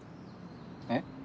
えっ？